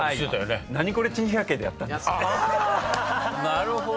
なるほど。